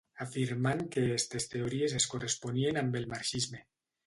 Afirmant que estes teories es corresponien amb el marxisme.